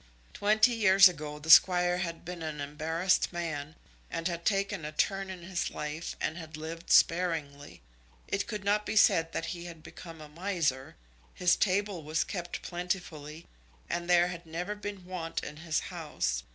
Twenty years ago the Squire had been an embarrassed man, and had taken a turn in his life and had lived sparingly. It could not be said that he had become a miser. His table was kept plentifully, and there had never been want in his house.